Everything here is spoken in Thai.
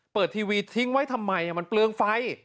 เปิดทีวีทิ้งไว้ทำไมอ่ะมันเปลืองไฟ